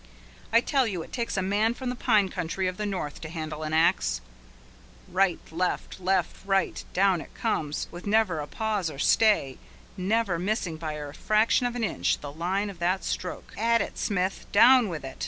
I tell you it takes a man from the pine country of the north to handle an axe! Right, left, left, right, down it comes, with never a pause or stay, never missing by a fraction of an inch the line of the stroke! At it, Smith! Down with it!